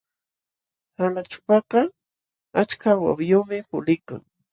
Qalaćhupakaq achka wawiyuqmi puliykan.